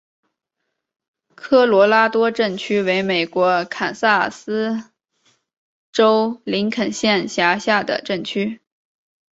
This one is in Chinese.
科罗拉多镇区为美国堪萨斯州林肯县辖下的镇区。